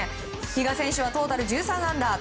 比嘉選手はトータル１３アンダー。